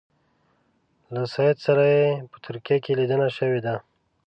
له سید سره یې په ترکیه کې لیدنه شوې ده.